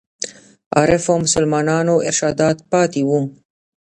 عارفو مسلمانانو ارشادات پاتې وو.